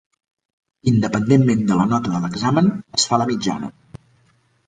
Independentment de la nota de l'examen, es fa la mitjana.